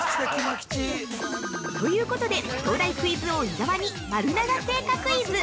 ◆ということで、東大クイズ王・伊沢に丸永製菓クイズ！